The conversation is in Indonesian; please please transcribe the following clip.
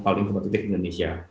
paling kepotetik indonesia